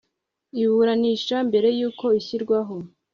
iburanisha mbere y uko ishyirwaho